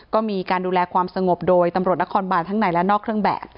ก็มีการดูแลความสงบโดยตำรวจนครบานทั้งในและนอกเครื่องแบบ